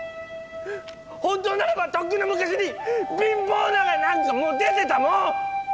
本当ならばとっくの昔に貧乏長屋なんかもう出てたもん！